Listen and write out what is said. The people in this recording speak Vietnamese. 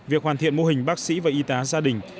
việc hoàn thiện mô hình bác sĩ và y tá gia đình